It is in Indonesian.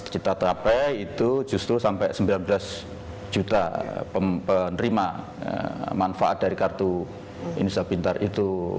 kita terapai itu justru sampai sembilan belas juta penerima manfaat dari kartu indonesia pintar itu